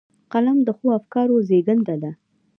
قلم د ښو افکارو زېږنده ده